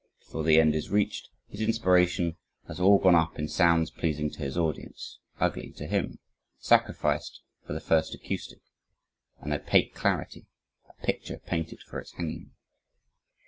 Before the end is reached, his inspiration has all gone up in sounds pleasing to his audience, ugly to him sacrificed for the first acoustic an opaque clarity, a picture painted for its hanging.